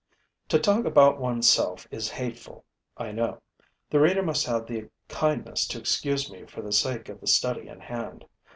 To talk about one's self is hateful, I know. The reader must have the kindness to excuse me for the sake of the study in hand.